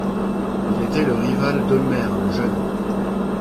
Il était le rival d’Homère le Jeune.